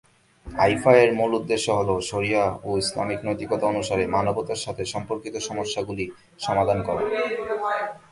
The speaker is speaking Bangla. আইফা-এর মূল উদ্দেশ্য হল শরিয়া ও ইসলামিক নৈতিকতা অনুসারে মানবতার সাথে সম্পর্কিত সমস্যাগুলির সমাধান করা।